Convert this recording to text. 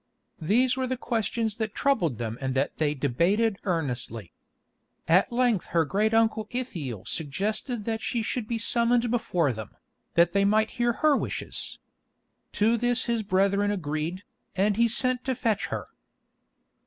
These were the questions that troubled them and that they debated earnestly. At length her great uncle Ithiel suggested that she should be summoned before them, that they might hear her wishes. To this his brethren agreed, and he was sent to fetch her.